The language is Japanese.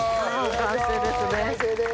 完成でーす！